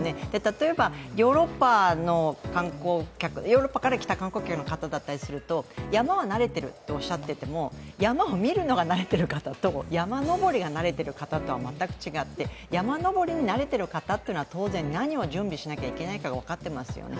例えばヨーロッパからきた観光客は山は慣れてるっておっしゃってても、山を見るのを慣れてる方と山登りが慣れている方とは全く違って山登りに慣れている方というのは当然何を準備しなければいけないか、分かっていますよね。